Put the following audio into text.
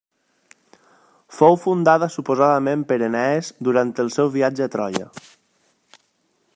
Fou fundada suposadament per Enees durant el seu viatge a Troia.